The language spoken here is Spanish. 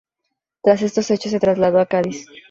Tras estos hechos se trasladó a Cádiz.